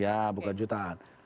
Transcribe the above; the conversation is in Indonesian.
ya bukan jutaan